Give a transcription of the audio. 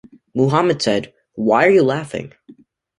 Muhammad said: Why are you laughing?